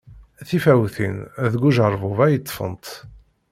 Tifawtin deg ujerbub ay ṭṭfent.